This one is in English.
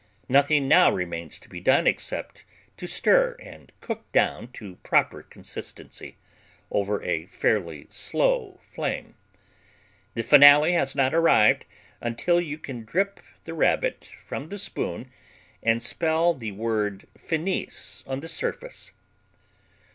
Nothing now remains to be done except to stir and cook down to proper consistency over a fairly slow flame. The finale has not arrived until you can drip the rabbit from the spoon and spell the word finis on the surface.